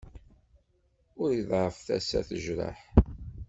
Ul iḍɛef tasa tejreḥ.